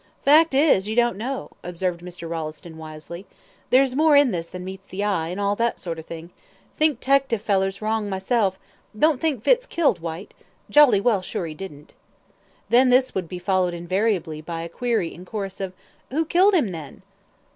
"Fact is, don't you know," observed Mr. Rolleston, wisely, "there's more in this than meets the eye, and all that sort of thing think 'tective fellers wrong myself don't think Fitz killed Whyte; jolly well sure he didn't." This would be followed invariably by a query in chorus of "who killed him then?"